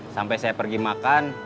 sampai saya pergi makan